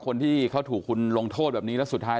คนที่เขาถูกคุณลงโทษแบบนี้แล้วสุดท้าย